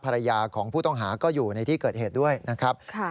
ภรรยาของผู้ต้องหาก็อยู่ในที่เกิดเหตุด้วยนะครับ